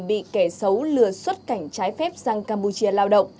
bị kẻ xấu lừa xuất cảnh trái phép sang campuchia lao động